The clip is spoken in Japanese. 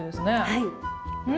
はい。